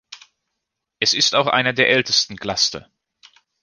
Es ist auch einer der ältesten Cluster.